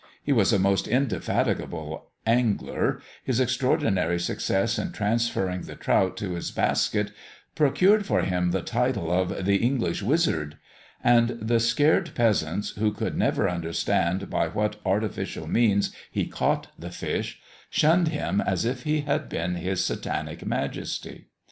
He was a most indefatigable angler: his extraordinary success in transferring the trout to his basket procured for him the title of "the English wizard;" and the scared peasants, who could never understand by what artificial means he caught the fish, shunned him as if he had been his Satanic majesty.